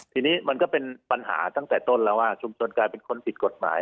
ทีนี้มันก็เป็นปัญหาตั้งแต่ต้นแล้วว่าชุมชนกลายเป็นคนผิดกฎหมาย